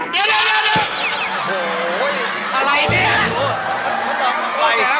คุณลองคำวัยดู